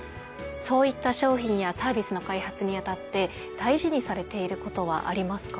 そういった商品やサービスの開発に当たって大事にされていることはありますか？